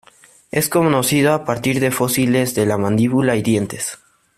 Es conocido a partir de fósiles de la mandíbula y dientes.